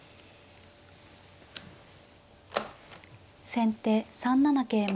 先手３七桂馬。